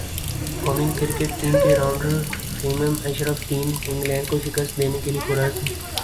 قومی cricket team کے rounder فیمم اشرف ٹیم انگلینڈ کو شکست دینے کے لیئے پر عزم